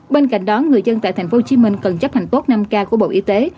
bên cạnh đó người dân tại tp hcm cần chấp hành tốt năm k của bộ y tế